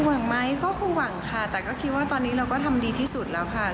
หวังไหมก็คงหวังค่ะแต่ก็คิดว่าตอนนี้เราก็ทำดีที่สุดแล้วค่ะ